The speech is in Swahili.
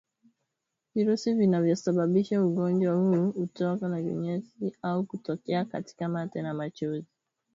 Virusi vinavyosababisha ugonjwa huu hutoka na kinyesi au kutokea katika mate na machozi